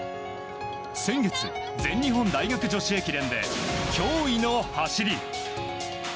先月、全日本大学女子駅伝で驚異の走り。